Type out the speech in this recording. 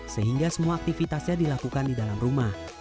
sehingga semua aktivitasnya dilakukan di dalam rumah